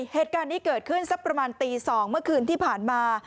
เหตุการณ์นี้เกิดขึ้นสักประมาณตี๒เมื่อคืนที่ผ่านมา